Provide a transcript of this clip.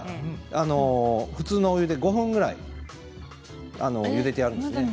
普通のお湯で５分ぐらいゆでてあります。